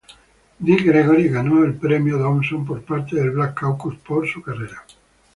Dick Gregory ganó el premio Dawson por parte del Black Caucus por su carrera.